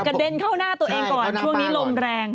เด็นเข้าหน้าตัวเองก่อนช่วงนี้ลมแรง